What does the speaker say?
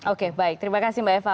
oke baik terima kasih mbak eva